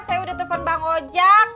saya udah telfon bang ojak